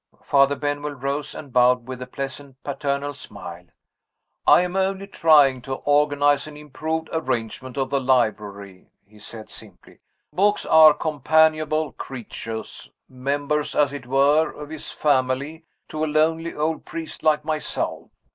Father Benwell rose and bowed with a pleasant paternal smile. "I am only trying to organize an improved arrangement of the library," he said, simply. "Books are companionable creatures members, as it were, of his family, to a lonely old priest like myself.